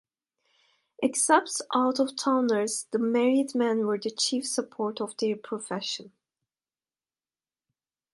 Except ‘out-of-towners’, the married men were the chief support of their profession.